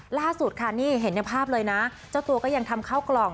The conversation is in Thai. ล่าสุดค่ะนี่เห็นในภาพเลยนะเจ้าตัวก็ยังทำเข้ากล่อง